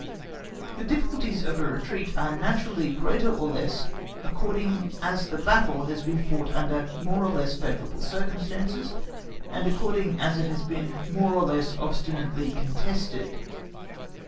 The difficulties of a retreat are naturally greater or less according as the battle has been fought under more or less favourable circumstances, and according as it has been more or less obstinately contested.